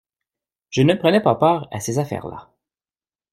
Je ne prenais pas part à ces affaires-là.